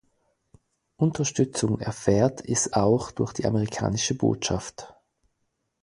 Unterstützung erfährt es auch durch die amerikanische Botschaft.